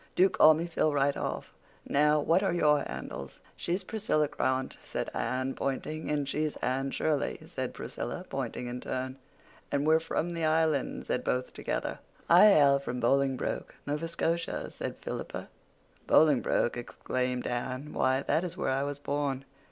Do call me Phil right off. Now, what are your handles?" "She's Priscilla Grant," said Anne, pointing. "And she's Anne Shirley," said Priscilla, pointing in turn. "And we're from the Island," said both together. "I hail from Bolingbroke, Nova Scotia," said Philippa. "Bolingbroke!" exclaimed Anne. "Why, that is where I was born."